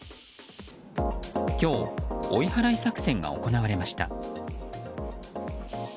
今日、追い払い作戦が行われました。